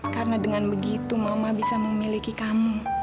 karena dengan begitu mama bisa memiliki kamu